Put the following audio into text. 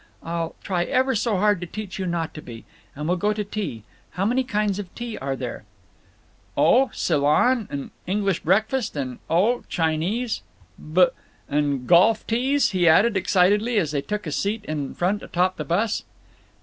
I'll try ever so hard to teach you not to be. And we'll go to tea. How many kinds of tea are there?" "Oh, Ceylon and English Breakfast and—oh—Chinese." "B—" "And golf tees!" he added, excitedly, as they took a seat in front atop the bus.